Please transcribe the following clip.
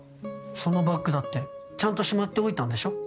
そのバッグだってちゃんとしまっておいたんでしょ？